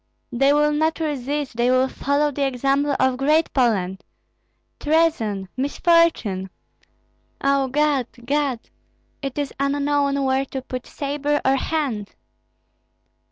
They will not resist, they will follow the example of Great Poland! Treason! misfortune! O God, God! It is unknown where to put sabre or hand!"